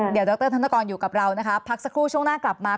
เดี๋ยวดรธนกรอยู่กับเรานะคะพักสักครู่ช่วงหน้ากลับมา